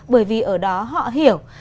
bởi vì ở đó họ hiểu